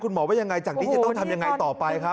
หมอว่ายังไงจากนี้จะต้องทำยังไงต่อไปครับ